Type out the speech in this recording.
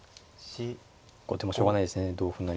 後手もしょうがないですね同歩成。